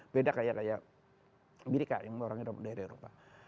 beda kayak amerika yang orangnya dari eropa